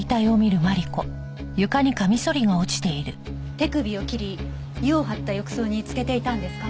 手首を切り湯を張った浴槽につけていたんですか？